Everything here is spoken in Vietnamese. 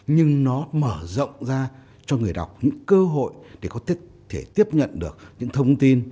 nhưng nó mở rộng ra cho người đọc những cơ hội để có thể tiếp nhận được những thông tin